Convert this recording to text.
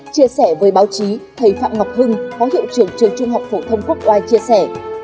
chia sẻ với báo chí thầy phạm ngọc hưng phó hiệu trưởng trường trung học phổ thông quốc oai chia sẻ